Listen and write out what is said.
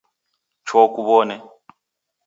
Choo kuwone